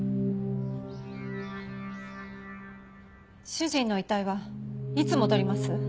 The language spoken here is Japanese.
主人の遺体はいつ戻ります？